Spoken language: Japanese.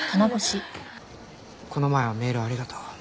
この前はメールありがとう。